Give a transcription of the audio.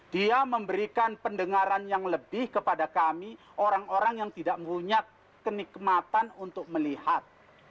dia memberikan pendengaran yang lebih kepada kami orang orang yang tidak punya kenikmatan untuk melihat